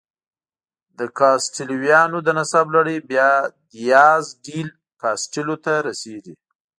د کاسټیلویانو د نسب لړۍ بیا دیاز ډیل کاسټیلو ته رسېږي.